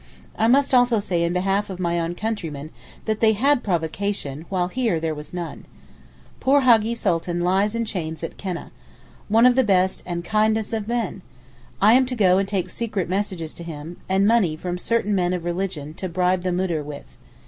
I must also say in behalf of my own countrymen that they had provocation while here there was none. Poor Haggee Sultan lies in chains at Keneh. One of the best and kindest of men! I am to go and take secret messages to him, and money from certain men of religion to bribe the Moudir with.